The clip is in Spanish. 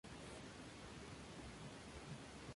La raza es a menudo de color castaño, fuerte y musculosa.